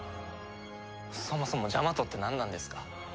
そもそもジャマトってなんなんですか？